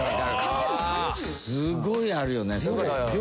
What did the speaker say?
すごいあるよねそれ。